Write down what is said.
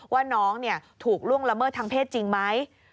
ว่าน้องถูกล่วงละเมิดทางเพศจริงไหม